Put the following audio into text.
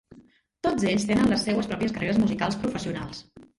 Tots ells tenen les seues pròpies carreres musicals professionals.